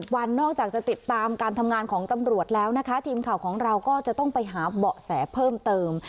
วันนอกจากจะติดตามการทำงานของตำรวจแล้วนะคะทีมข่าวของเราก็จะต้องไปหาเบาะแสเพิ่มเติม